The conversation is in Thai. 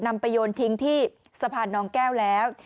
นำไปโยนทิ้งที่สะพานน้องแก้วแล้ว